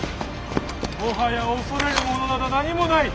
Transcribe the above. もはや恐れるものなど何もない。